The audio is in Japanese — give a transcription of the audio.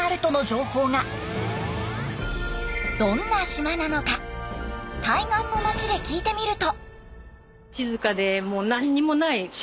どんな島なのか対岸の町で聞いてみると。